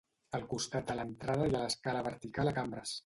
Al costat de l'entrada hi ha l'escala vertical a cambres.